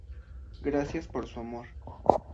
Gracias por su amor.